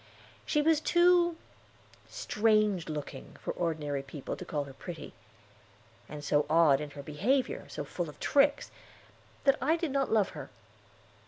She was too strange looking for ordinary people to call her pretty, and so odd in her behavior, so full of tricks, that I did not love her.